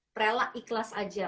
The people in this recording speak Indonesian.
prelah ikhlas aja